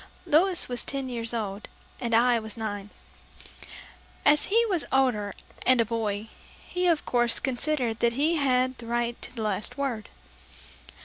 Louis was ten years old and I was nine. As he was older and a boy, he of course, considered that he had the right to the last word.